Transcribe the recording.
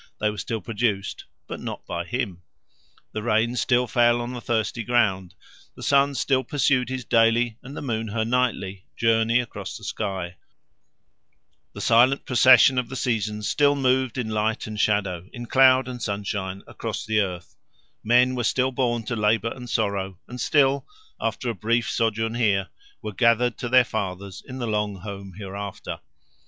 They were still produced, but not by him. The rain still fell on the thirsty ground: the sun still pursued his daily, and the moon her nightly journey across the sky: the silent procession of the seasons still moved in light and shadow, in cloud and sunshine across the earth: men were still born to labour and sorrow, and still, after a brief sojourn here, were gathered to their fathers in the long home hereafter.